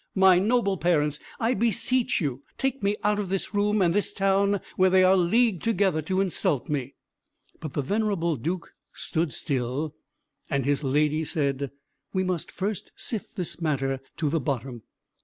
My noble parents, I beseech you take me out of this room, and this town, where they are leagued together to insult me." But the venerable Duke stood still, and his lady said, "We must first sift this matter to the bottom.